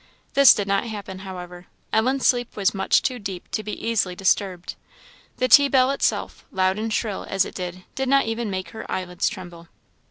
This did not happen, however. Ellen's sleep was much too deep to be easily disturbed. The tea bell itself, loud and shrill as it was, did not even make her eyelids tremble.